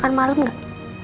makan malem gak